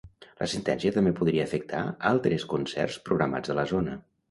La sentència també podria afectar altres concerts programats a la zona.